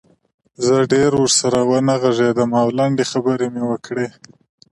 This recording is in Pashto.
زه ډېر ورسره ونه غږېدم او لنډې خبرې مې وکړې